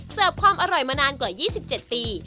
ความอร่อยมานานกว่า๒๗ปี